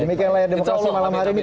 demikian layar demokrasi malam hari ini